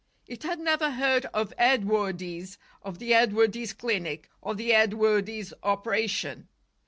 It had never heard of Edwardes, of the Edwardes clinic or the Edwardes operation.